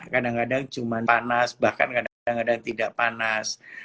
kadang kadang cuma panas bahkan kadang kadang tidak panas